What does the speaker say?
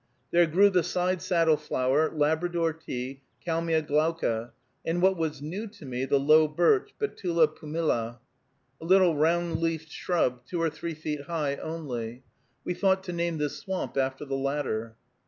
There grew the side saddle flower, Labrador tea, Kalmia glauca, and, what was new to me, the low birch (Betula pumila), a little round leafed shrub, two or three feet high only. We thought to name this swamp after the latter.